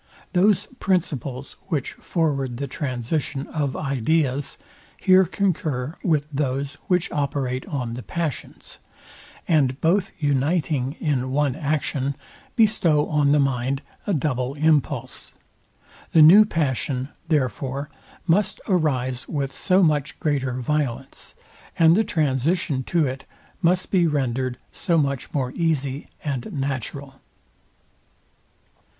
Those principles, which forward the transition of ideas, here concur with those, which operate on the passions; and both uniting in one action, bestow on the mind a double impulse. The new passion, therefore, must arise with so much greater violence, and the transition to it must be rendered so much more easy and natural.